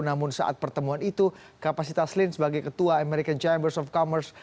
namun saat pertemuan itu kapasitas lin sebagai ketua american chambers of commerce